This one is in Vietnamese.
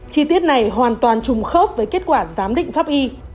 chi tiết này hoàn toàn trùng khớp với kết quả giám định pháp y